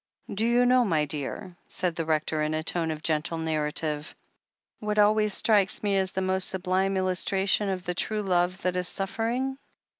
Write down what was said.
"Do you know, my dear," said the Rector in a tone of gentle narrative, "what always strikes me as the most sublime illustration of the true love that is suffer ing?